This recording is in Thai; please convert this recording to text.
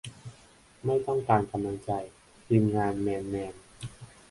ไม่ต้องการกำลังใจ ทีมงาน แมนแมน